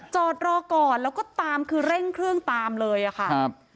จอดรอก่อนแล้วก็ตามคือเร่งเครื่องตามเลยอะค่ะครับ